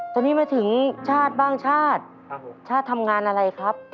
ตอนนี้มาถึงชาติบ้างชาติชาติทำงานอะไรครับ